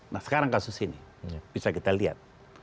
nah sekarang kasus ini bisa kita lihat